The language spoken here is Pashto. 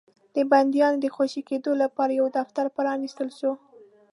د بنديانو د خوشي کېدلو لپاره يو دفتر پرانيستل شو.